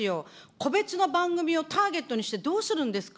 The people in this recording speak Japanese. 個別の番組をターゲットにしてどうするんですか。